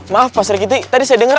maaf pak sirkiti tadi saya denger